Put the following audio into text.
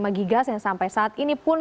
ikan arapaima gigas yang sampai saat ini pun